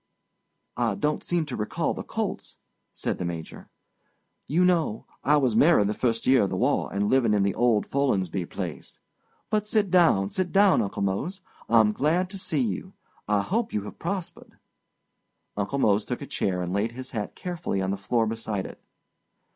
"I don't seem to recall the colts," said the Major. "You know. I was married the first year of the war and living at the old Follinsbee place. But sit down, sit down, Uncle Mose. I'm glad to see you. I hope you have prospered." Uncle Mose took a chair and laid his hat carefully on the floor beside it.